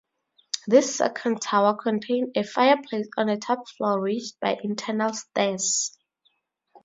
This second tower contained a fireplace on the top floor reached by internal stairs.